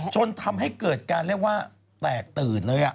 จนทำให้เกิดการเรียกว่าแตกตื่นเลย